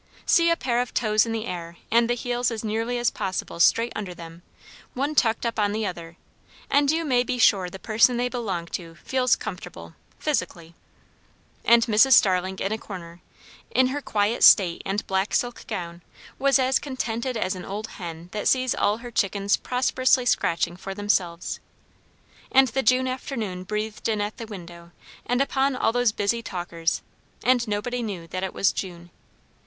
See a pair of toes in the air and the heels as nearly as possible straight under them, one tucked up on the other, and you may be sure the person they belong to feels comfortable physically. And Mrs. Starling in a corner, in her quiet state and black silk gown, was as contented as an old hen that sees all her chickens prosperously scratching for themselves. And the June afternoon breathed in at the window and upon all those busy talkers; and nobody knew that it was June.